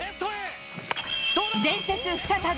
伝説再び。